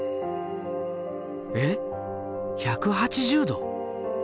えっ１８０℃？